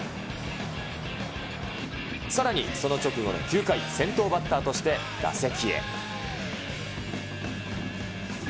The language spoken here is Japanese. さらに、その直後の９回、先頭バッターとして打席へ。